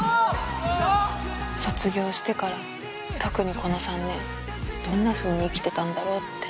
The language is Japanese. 卒業してから特にこの３年どんなふうに生きてたんだろうって。